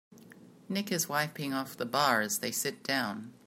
Nick is wiping off the bar as they sit down.